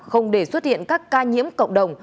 không để xuất hiện các ca nhiễm cộng đồng